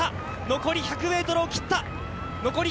残り１００ｍを切った。